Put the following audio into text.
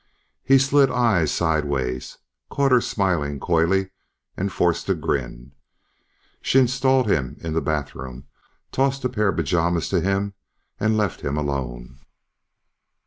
He slid eyes sideways, caught her smiling coyly and forced a grin. She installed him in the bathroom, tossed a pair of pajamas to him and left him alone.